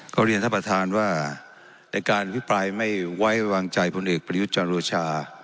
ก็เรียนท่านประธานว่าในการอภิปรายไม่ไว้วางใจพลเอกประยุทธ์จันโอชา